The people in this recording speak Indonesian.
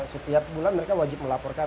setiap bulan mereka wajib melaporkan